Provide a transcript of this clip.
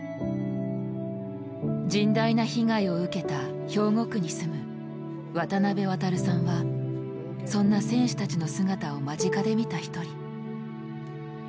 甚大な被害を受けた兵庫区に住む渡邊渡さんはそんな選手たちの姿を間近で見た一人。